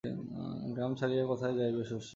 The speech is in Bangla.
গ্রাম ছাড়িয়া কোথায় যাইবে শশী?